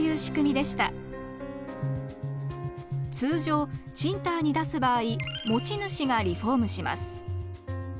通常賃貸に出す場合持ち主がリフォームします。